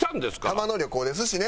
たまの旅行ですしね。